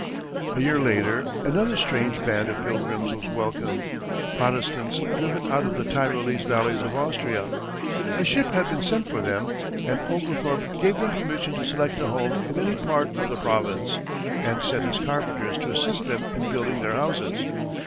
A year later, another strange band of pilgrims was welcomed Protestants driven out of the Tyrolese valleys of Austria. A ship had been sent for them, and Oglethorpe gave them permission to select a home in any part of the province, and sent his carpenters to assist them in building their houses.